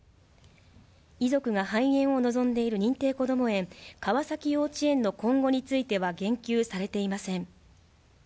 遺族が廃園を望んでいる認定こども園川崎幼稚園の今後については言及されていません